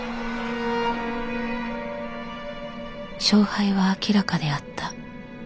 勝敗は明らかであった。